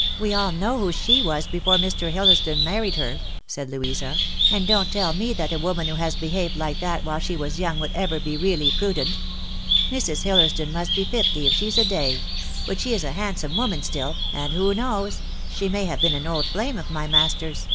" We all know who she was before Mr. Hillersdon married her," said Louisa ;" and don't tell me that a woman who has behaved like that while she was young would ever be really prudent. Mrs. Hillersdon must be fifty if she's a day ; but she is a handsome woman still, and who knows ? she may have been an old flame of my master's."